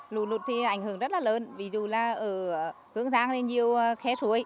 lũ lụt thì ảnh hưởng rất là lớn ví dụ là ở hương giang thì nhiều khe suối